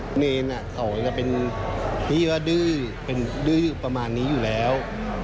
เนรเขาจะเป็นที่ว่าดื้อเป็นดื้อประมาณนี้อยู่แล้ว